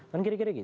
kan kira kira gitu